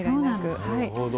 なるほど。